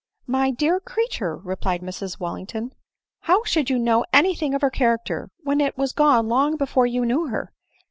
" My dear creature !" replied Mrs Wallington, " how should you know any thing of her character, when it was gone long before you knew her?